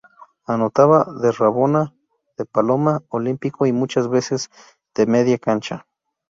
Anotaba de rabona, de paloma, olímpico y muchas veces de media cancha.